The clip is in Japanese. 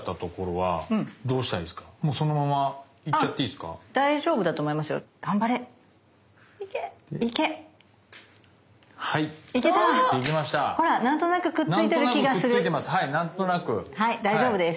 はい大丈夫です。